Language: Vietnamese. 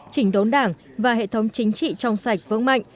chỉnh đốn đảng và hệ thống chính trị trong sạch vững mạnh